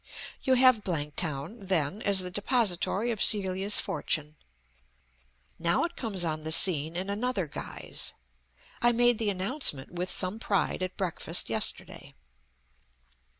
You have Blanktown, then, as the depository of Celia's fortune. Now it comes on the scene in another guise. I made the announcement with some pride at breakfast yesterday.